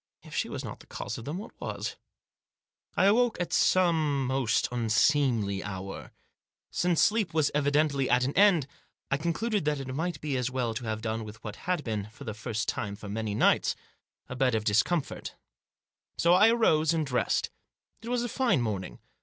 If she was not the cause of them, what was ? I awoke at some most unseemly hour. Since sleep was evidently at an end I concluded that it might be as well to have done with what had been, for the first time for many nights, a bed of discomfort. So I arose and dressed. It was a fine morning.